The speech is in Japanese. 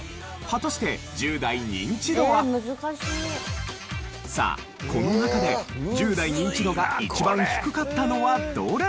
果たしてさあこの中で１０代ニンチドが一番低かったのはどれ？